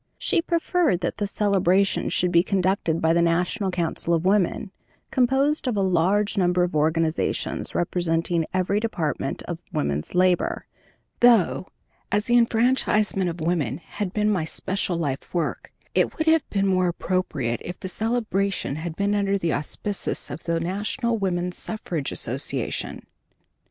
She preferred that this celebration should be conducted by the National Council of Women, composed of a large number of organizations representing every department of woman's labor, though, as the enfranchisement of woman had been my special life work, it would have been more appropriate if the celebration had been under the auspices of the National Woman's Suffrage Association.